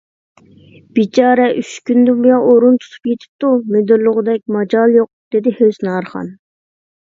— بىچارە ئۈچ كۈندىن بۇيان ئورۇن تۇتۇپ يېتىپتۇ، مىدىرلىغۇدەك ماجالى يوق، — دېدى ھۆسنارخان.